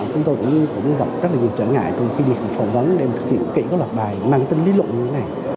chúng tôi cũng gặp rất nhiều trở ngại từ khi đi phỏng vấn để thực hiện kỹ các loạt bài mang tinh lý lộn như thế này